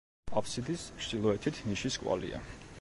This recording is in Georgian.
აბსიდის ჩრდილოეთით ნიშის კვალია.